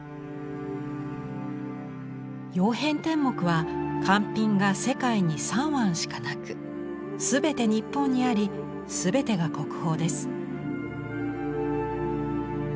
「曜変天目」は完品が世界に３碗しかなく全て日本にあり全てが国宝です。